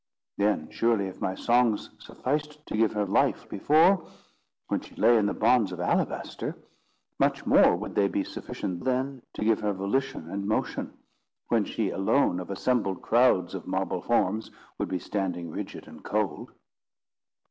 Then surely if my songs sufficed to give her life before, when she lay in the bonds of alabaster, much more would they be sufficient then to give her volition and motion, when she alone of assembled crowds of marble forms, would be standing rigid and cold."